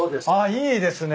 いいですね